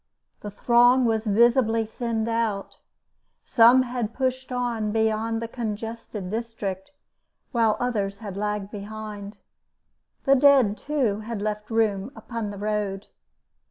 The throng was visibly thinned out; some had pushed on beyond the congested district, while others had lagged behind. The dead, too, had left room upon the road.